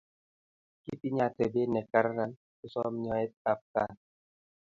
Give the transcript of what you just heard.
Kitinye atebet ne karan kosom nyoet ab kaat